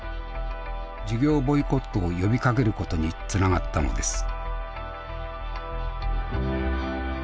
授業ボイコットを呼びかけることにつながったのです。